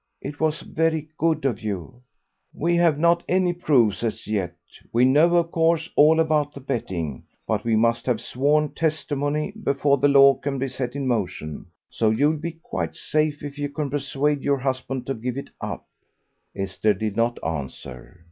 It was very good of you." "We have not any proofs as yet; we know, of course, all about the betting, but we must have sworn testimony before the law can be set in motion, so you'll be quite safe if you can persuade your husband to give it up." Esther did not answer.